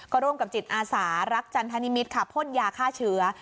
ก็ร่วมกับจิตอาสารักจันทนิมิตรค่ะพ่นยาฆ่าเชื้อ